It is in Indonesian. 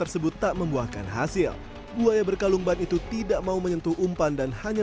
satgas mengklaim cara ini aman untuk menyelamatkan buaya